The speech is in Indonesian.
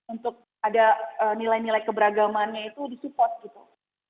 untuk ada nilai nilai keberagamannya itu di support gitu